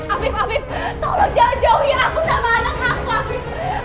afif tolong jangan jauhi aku sama anak aku afif